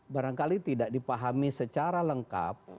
barangkali tidak dipahami secara lengkap